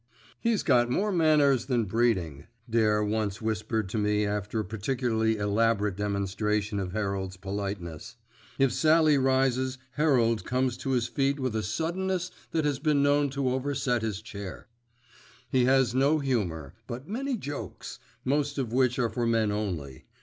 "He's got more manners than breeding," Dare once whispered to me after a particularly elaborate demonstration of Herald's politeness. If Sallie rises, Herald comes to his feet with a suddenness that has been known to overset his chair. He has no humour, but many jokes—most of which are for men only.